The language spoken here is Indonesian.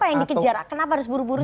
apa yang dikejar kenapa harus buru buru